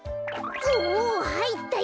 おおはいったよ！